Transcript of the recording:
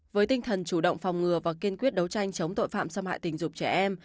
với tinh thần chủ động phòng ngừa và kiên quyết đấu tranh chống tội phạm xâm hại tình dục trẻ em